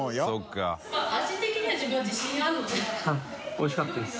おいしかったです。